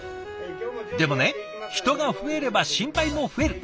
でもね人が増えれば心配も増える。